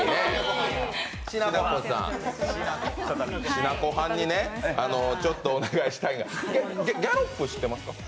しなこはんにちょっとお願いしたいんやギャロップ知ってますか？